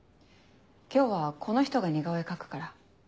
今日はこの人が似顔絵描くから。